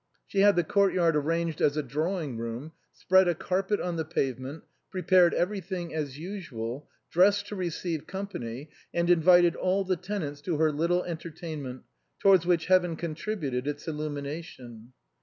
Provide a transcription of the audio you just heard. She had the court yard arranged as a drawing room, spread a carpet on the pavement, prepared every thing as usual, dressed to receive company, and invited all the tenants to her little entertainment, towards which Heaven contributed its illumination.